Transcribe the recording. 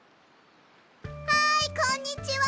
はいこんにちは！